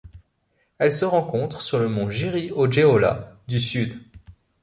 Elle se rencontre sur le mont Jiri au Jeolla du Sud.